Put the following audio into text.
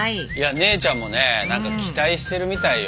姉ちゃんもね何か期待してるみたいよ。